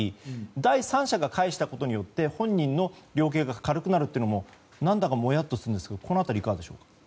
第三者が介したことによって本人の量刑が軽くなるというのも何だかモヤッとするんですがこの辺りいかがですか。